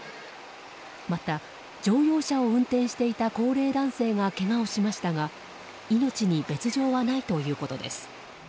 また、乗用車を運転していた高齢男性がけがをしましたが命に別条はないということです。